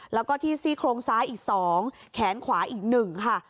แล้วก็ที่ซี่โครงซ้ายอีก๒แขนขวาอีก๑ค่ะ